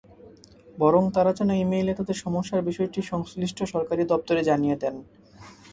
বরং তাঁরা যেন ই-মেইলে তাঁদের সমস্যার বিষয়টি সংশ্লিষ্ট সরকারি দপ্তরে জানিয়ে দেন।